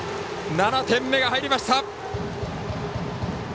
７点目が入りました。